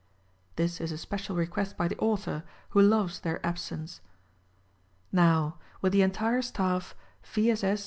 (This is a special request by the author who loves their absence.) Now: With the entire staff, V. S. S.